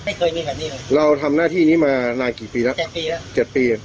ไม่เคยมีแบบนี้เลยเราทำหน้าที่นี้มานานกี่ปีแล้วเจ็ดปีแล้วเจ็ดปี